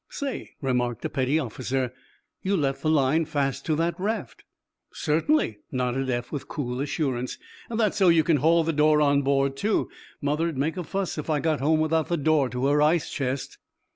"Say," remarked a petty officer, "you left the line fast to that raft." "Certainly," nodded Eph, with cool assurance. "That's so you can haul the door on board, too. Mother'd make a fuss if I got home without the door to her ice chest."